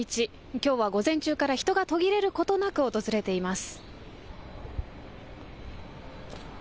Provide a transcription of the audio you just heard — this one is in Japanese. きょうは午前中から人が途切れることなく訪れています。